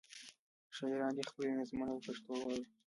شاعران دې خپلې نظمونه په پښتو واوروي.